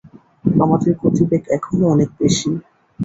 আমাদের গতিবেগ এখনও অনেক বেশি।